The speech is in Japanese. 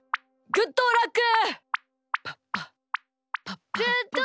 グッドラック！